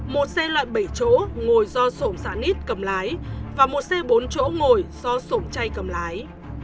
một xe loại bảy chỗ ngồi do sổm xạ nít cầm lái và một xe bốn chỗ ngồi do sổng chay cầm lái